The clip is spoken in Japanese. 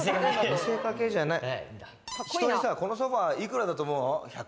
見せ掛けじゃない。